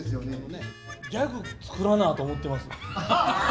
ギャグ作らなと思ってます。